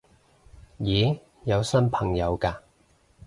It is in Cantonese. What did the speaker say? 咦有新朋友嘅